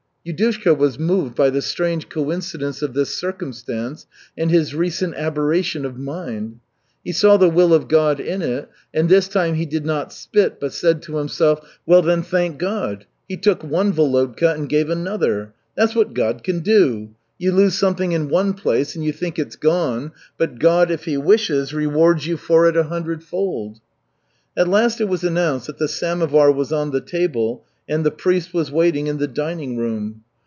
Yudushka was moved by the strange coincidence of this circumstance and his recent aberration of mind. He saw the will of God in it, and this time he did not spit, but said to himself: "Well, then, thank God! He took one Volodka and gave another. That's what God can do. You lose something in one place and you think it's gone, but God, if He wishes, rewards you for it a hundredfold." At last it was announced that the samovar was on the table and the priest was waiting in the dining room.